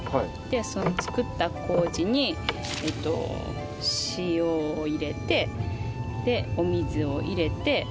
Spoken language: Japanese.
その作った麹に塩を入れてでお水を入れて。